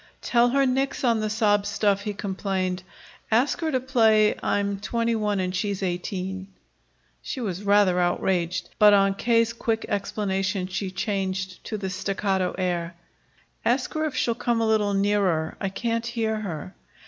"Tell her nix on the sob stuff," he complained. "Ask her to play 'I'm twenty one and she's eighteen.'" She was rather outraged, but on K.'s quick explanation she changed to the staccato air. "Ask her if she'll come a little nearer; I can't hear her."